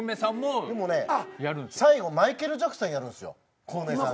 でもね最後マイケル・ジャクソンやるんすよコウメさん。